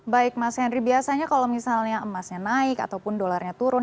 baik mas henry biasanya kalau misalnya emasnya naik ataupun dolarnya turun